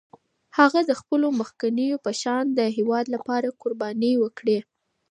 هغه د خپلو مخکینو په شان د هېواد لپاره قربانۍ وکړې.